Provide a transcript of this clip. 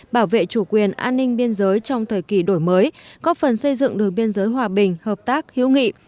bảo vệ chủ quyền an ninh biên giới trong thời kỳ đổi mới góp phần xây dựng đường biên giới hòa bình hợp tác hiếu nghị